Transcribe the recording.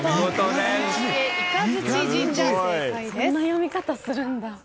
・そんな読み方するんだ。